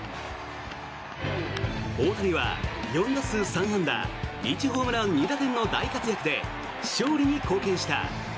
大谷は４打数３安打１ホームラン２打点の大活躍で勝利に貢献した。